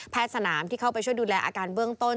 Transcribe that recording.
สนามที่เข้าไปช่วยดูแลอาการเบื้องต้น